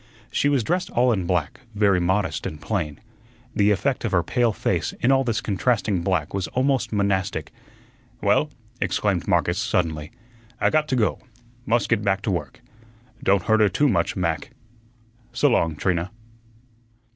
She was dressed all in black, very modest and plain. The effect of her pale face in all this contrasting black was almost monastic. "Well," exclaimed Marcus suddenly, "I got to go. Must get back to work. Don't hurt her too much, Mac. S'long, Trina."